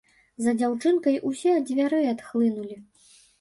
За дзяўчынкай усе ад дзвярэй адхлынулі.